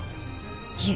いえ。